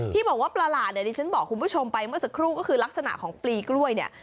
ที่บอกว่าประหลาดเนี่ยที่ฉันบอกคุณผู้ชมไปเมื่อสักครู่ก็คือลักษณะของปลีกล้วยเนี่ย